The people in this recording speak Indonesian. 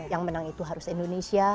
yang menang itu harus indonesia